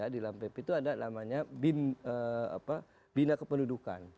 di dalam pp itu ada namanya bina kependudukan